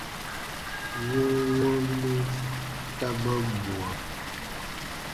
Wɔnwɔnnu ta man mwa.